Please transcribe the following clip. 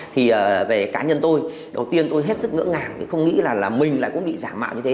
thì về cá nhân tôi đầu tiên tôi hết sức ngỡ ngàng vì không nghĩ là mình lại có bị giả bạo như thế